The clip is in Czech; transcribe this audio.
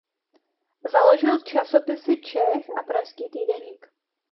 Založil časopisy "Čech" a "Pražský týdeník".